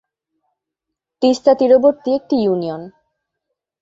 তিস্তা তীরবর্তী একটি ইউনিয়ন।